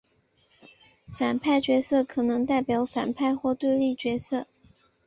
反派角色可能代表反派或对立角色。